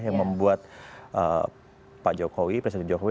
yang membuat pak jokowi presiden jokowi